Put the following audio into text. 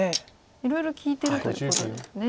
いろいろ利いてるということですね。